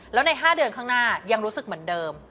แล้วใน๕เดือนข้างหน้ายังรู้สึกเหมือนเดิม